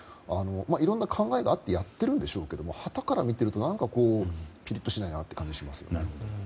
いろんな考えがあってやっているんでしょうけどはたから見ていると何か、ピリッとしないなという感じがしますよね。